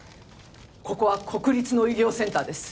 ここは国立の医療センターです。